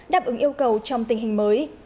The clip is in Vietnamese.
đáp ứng yêu cầu trong tình hình mới